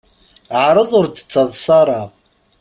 Ɛṛeḍ ur d-ttaḍṣa ara.